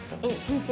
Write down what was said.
先生